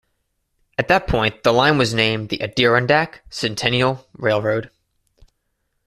At that point, the line was named the Adirondack Centennial Railroad.